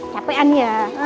capek an ya